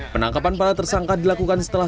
penangkapan para tersangka dilakukan setelah